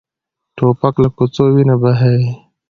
توپک له کوڅو وینه بهوي.